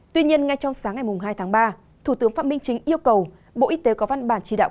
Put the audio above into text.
tuy nhiên ngay trong sáng ngày hai tháng ba thủ tướng phạm minh chính yêu cầu bộ y tế có văn bản chỉ đạo